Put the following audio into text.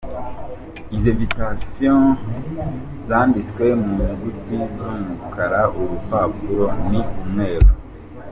Izi ‘Invitations’ zanditswe mu nyuguti z’umukara; Urupapuro ni umweru.